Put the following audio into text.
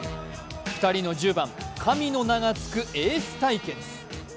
２人の１０番、神の名がつくエース対決。